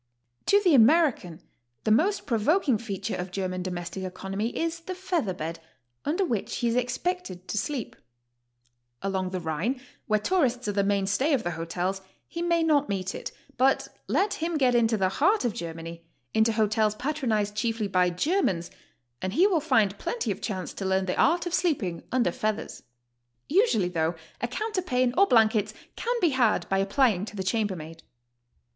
To the American the most provoking feature of German domestic economy is the feather bed, under which he is expected to sleep. Along the Rhine, where tourists are the mainstay of the hotels, he may not meet it, but let him get into the heart of Germany, into hotels patronized chiefly by Germans, and he will find plenty of chance to learn the art of sleeping under feathers. Usually, though, a counterpane or blankets can be had by ai)plying to the chambermaid.